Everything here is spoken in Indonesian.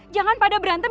jangan pada berantem